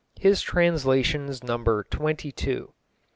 His translations number twenty two.